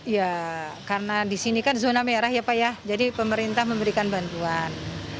ya karena di sini kan zona merah ya pak ya jadi pemerintah memberikan bantuan